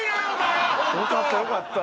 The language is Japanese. よかったよかった。